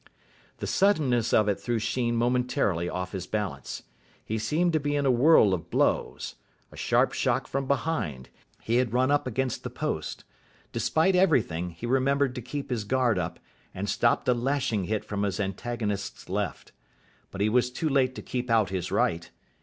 The suddenness of it threw Sheen momentarily off his balance. He seemed to be in a whirl of blows. A sharp shock from behind. He had run up against the post. Despite everything, he remembered to keep his guard up, and stopped a lashing hit from his antagonist's left. But he was too late to keep out his right.